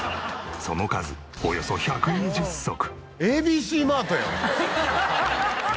その数およそ１２０足。